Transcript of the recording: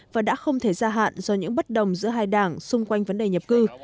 và đã không thể gia hạn do những bất đồng giữa hai đảng xung quanh vấn đề nhập cư